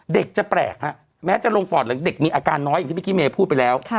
เด็กจะแปลกแม้จะลงปอดหลังเด็กมีอาการน้อยอย่างที่พี่คิมียาพูดไปแล้ว